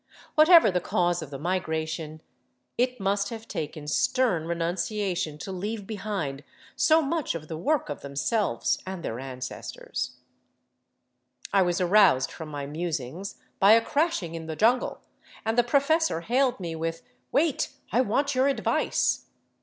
Whatever the cause of the migration, it must have taken stern renunciation to leave behind so much of the work of themselves and their ancestors. 473 VAGABONDING DOWN THE ANDES I was aroused from my musings by a crashing in the jungle, and the professor hailed me with, " Wait ! I want your advice